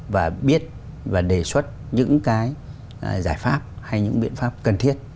và biết và đề xuất những cái giải pháp hay những biện pháp cần thiết